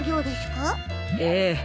ええ。